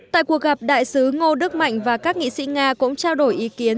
tại cuộc gặp đại sứ ngô đức mạnh và các nghị sĩ nga cũng trao đổi ý kiến